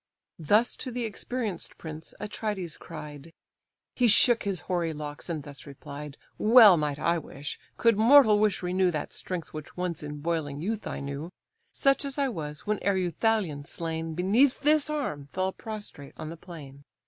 Thus to the experienced prince Atrides cried; He shook his hoary locks, and thus replied: "Well might I wish, could mortal wish renew That strength which once in boiling youth I knew; Such as I was, when Ereuthalion, slain Beneath this arm, fell prostrate on the plain.